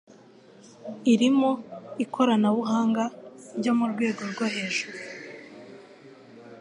irimo ikoranabuhanga ryo mu rwego rwo hejuru